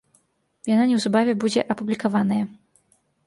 Яна неўзабаве будзе апублікаваная.